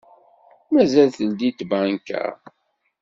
Mazal teldi tbanka?